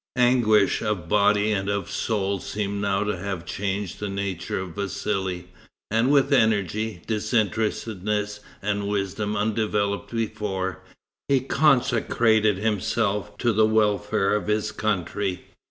Anguish of body and of soul seems now to have changed the nature of Vassali, and with energy, disinterestedness and wisdom undeveloped before, he consecrated himself to the welfare of his country.